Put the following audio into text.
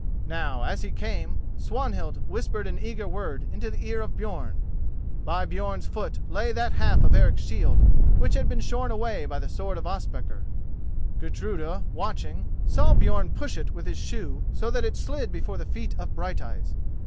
Now, as he came, Swanhild whispered an eager word into the ear of Björn. By Björn's foot lay that half of Eric's shield which had been shorn away by the sword of Ospakar. Gudruda, watching, saw Björn push it with his shoe so that it slid before the feet of Brighteyes.